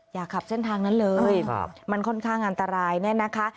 อย่าขับเส้นทางนั้นเลยมันค่อนข้างอันตรายเนี่ยนะคะ